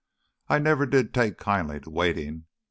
"I never did take kindly to waitin'.